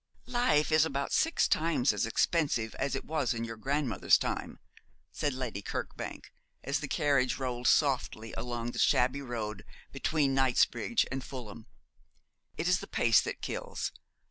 'Life is about six times as expensive as it was in your grandmother's time.' said Lady Kirkbank, as the carriage rolled softly along the shabby road between Knightsbridge and Fulham. 'It is the pace that kills.